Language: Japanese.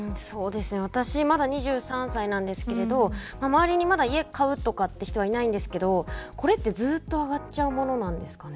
私、まだ２３歳なんですけれど周りにまだ家を買うという人はいないんですけどこれって、ずっと上がっちゃうものなんですかね。